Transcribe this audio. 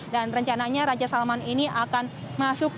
dan rencananya raja saman ini akan masuk